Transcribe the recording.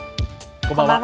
こんばんは。